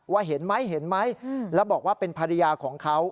ว่าเห็นไหมเห็นไหมแล้วบอกว่าเป็นภรรยาของเขา